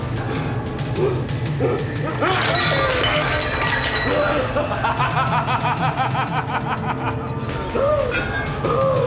selalu menyerah wrote